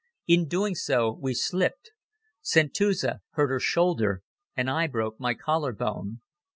In doing so we slipped. Santuzza hurt her shoulder and I broke my collar bone.